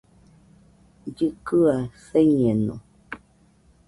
Llɨkɨaɨ señeno